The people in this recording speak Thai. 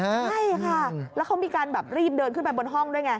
ใช่ค่ะแล้วเขามีการแบบรีบเดินขึ้นไปบนห้องด้วยไง